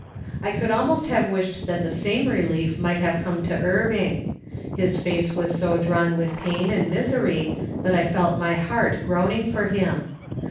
I could almost have wished that the same relief might come to Irving. His face was so drawn with pain and misery that I felt my heart groaning for him.